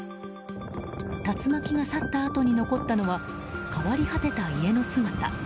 竜巻が去ったあとに残ったのは変わり果てた家の姿。